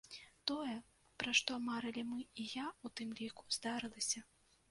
Тое, пра што марылі мы, і я ў тым ліку, здарылася!